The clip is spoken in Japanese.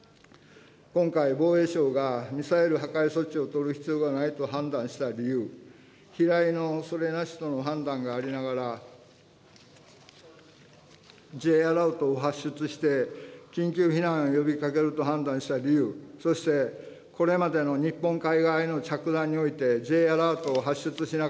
今回、防衛省がミサイル破壊措置を取る必要がないと判断した理由、飛来のおそれなしとの判断がありながら、Ｊアラートを発出して、緊急避難を呼びかけると判断した理由、そしてこれまでの日本海側への着弾においてＪアラートを発出しな